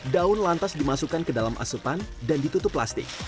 daun lantas dimasukkan ke dalam asupan dan ditutup plastik